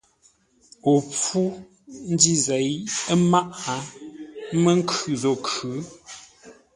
O pfû ndǐ zěi ə́ mǎʼ, ə́ mə́ nkhʉ̂ zô khʉ̌.